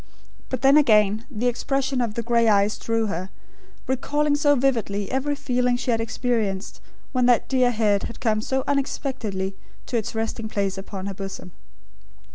But then again, the expression of the grey eyes drew her, recalling so vividly every feeling she had experienced when that dear head had come so unexpectedly to its resting place upon her bosom.